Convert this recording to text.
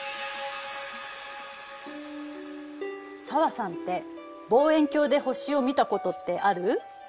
紗和さんって望遠鏡で星を見たことってある？